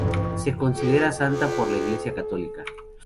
Se considera santa por la Iglesia católica.